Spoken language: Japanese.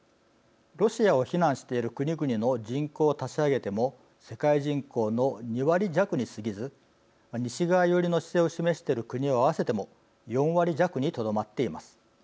ロシアを非難している国々の人口を足し上げても世界人口の２割弱にすぎず西側寄りの姿勢を示している国を合わせても４割弱にとどまっています。